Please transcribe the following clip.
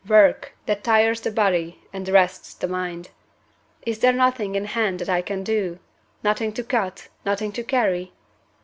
Work, that tires the body and rests the mind. Is there nothing in hand that I can do? Nothing to cut? nothing to carry?"